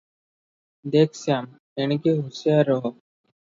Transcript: "ଦେଖ ଶ୍ୟାମ, ଏଣିକି ହୁସିଆର ରହ